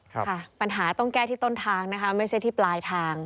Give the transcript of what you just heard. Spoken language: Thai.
ค่ะปัญหาต้องแก้ที่ต้นทางนะคะไม่ใช่ที่ปลายทาง